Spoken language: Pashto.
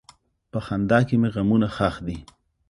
په خندا کې مې غمونه ښخ دي.